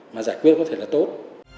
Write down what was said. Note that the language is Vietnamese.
mà giải quyết có thể là tốt